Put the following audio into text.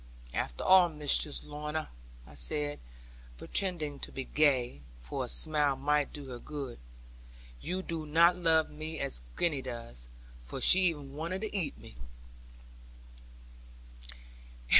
'After all, Mistress Lorna,' I said, pretending to be gay, for a smile might do her good; 'you do not love me as Gwenny does; for she even wanted to eat me.'